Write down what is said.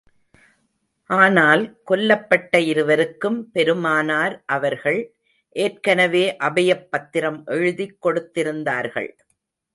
ஆனால், கொல்லப்பட்ட இருவருக்கும், பெருமானார் அவர்கள் ஏற்கனவே அபயப் பத்திரம் எழுதிக் கொடுத்திருந்தார்கள்.